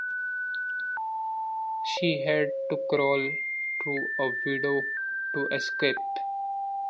She had to crawl through a window to escape.